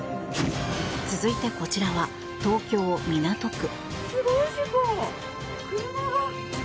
続いて、こちらは東京・港区。